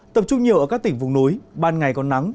tập trung nhiều ở các tỉnh vùng núi ban ngày còn nắng